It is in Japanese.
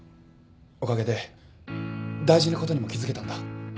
おかげで大事なことにも気付けたんだ